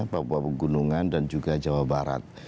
papua pegunungan dan juga jawa barat